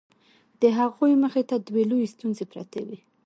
د هغه مخې ته دوې لويې ستونزې پرتې وې.